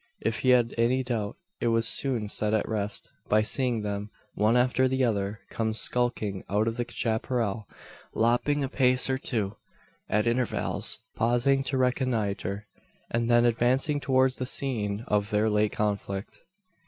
If he had any doubt, it was soon set at rest, by seeing them, one after the other, come skulking out of the chapparal, lopping a pace or two, at intervals, pausing to reconnoitre, and then advancing towards the scene of their late conflict.